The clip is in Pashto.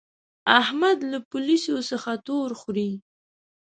احمد له پوليسو څخه تور خوري.